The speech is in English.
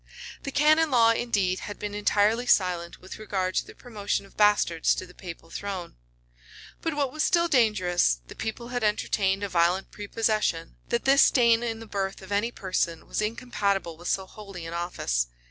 [*] The canon law, indeed, had been entirely silent with regard to the promotion of bastards to the papal throne; but, what was still dangerous, the people had entertained a violent prepossession, that this stain in the birth of any person was incompatible with so holy an office.